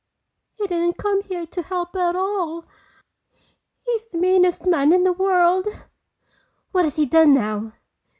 He didn't come here to help at all. He's the meanest man in the world!" "What has he done now?"